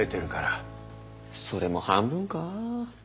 それも半分か。